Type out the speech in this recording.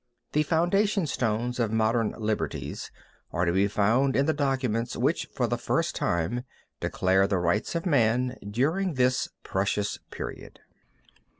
The foundation stones of modern liberties are to be found in the documents which for the first time declared the rights of man during this precious period.